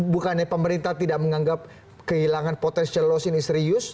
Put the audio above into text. bukannya pemerintah tidak menganggap kehilangan potential loss ini serius